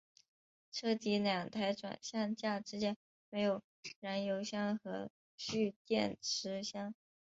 车底两台转向架之间设有燃油箱和蓄电池箱。